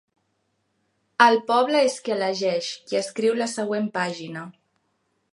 El poble és qui elegeix, qui escriu la següent pàgina.